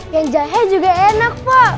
yang jahe juga enak pak